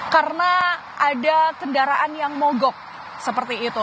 karena ada kendaraan yang mogok seperti itu